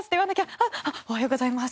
あっあっおはようございます。